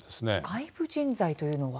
外部人材というのは？